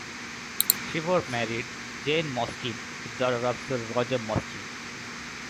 Trevor married Jane Mostyn, the daughter of Sir Roger Mostyn.